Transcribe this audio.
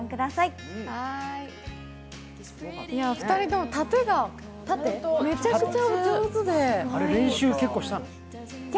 ２人ともたてがめちゃくちゃお上手で。